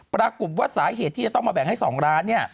ปรากฏว่าสาเหตุที่จะต้องมาแบ่งให้๒ล้านเนี่ย